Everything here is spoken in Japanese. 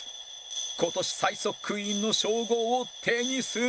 今年最速クイーンの称号を手にするのは？